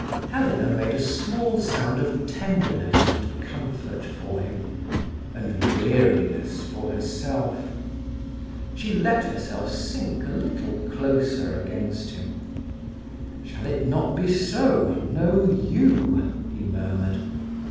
Helena made a small sound of tenderness and comfort for him, and weariness for herself. She let herself sink a little closer against him. "Shall it not be so—no yew?" he murmured.